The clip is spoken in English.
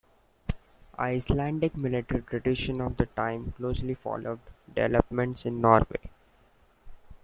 Icelandic military tradition of the time closely followed developments in Norway.